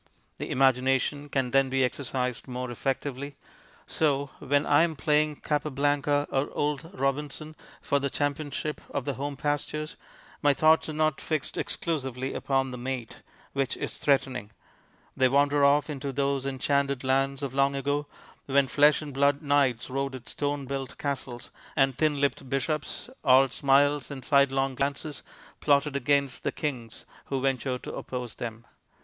The imagination can then be exercised more effectively. So when I am playing Capablanca (or old Robinson) for the championship of the home pastures, my thoughts are not fixed exclusively upon the "mate" which is threatening; they wander off into those enchanted lands of long ago, when flesh and blood knights rode at stone built castles, and thin lipped bishops, all smiles and side long glances, plotted against the kings who ventured to oppose them.